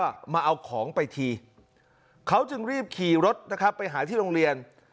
เพื่อนไปแล้วอ่ะมาเอาของไปทีเขาจึงรีบขี่รถนะครับไปหาที่โรงเรียน